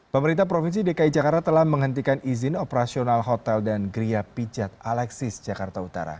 pemerintah provinsi dki jakarta telah menghentikan izin operasional hotel dan geria pijat alexis jakarta utara